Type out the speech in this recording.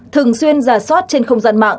thường xuyên giả soát trên không gian